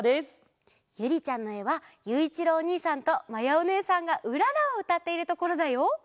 ゆりちゃんのえはゆういちろうおにいさんとまやおねえさんが「うらら」をうたっているところだよ。